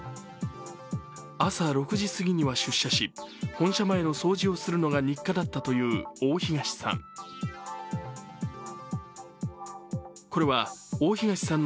朝６時すぎには出社し本社前の掃除をするのが日課だったという大東さん。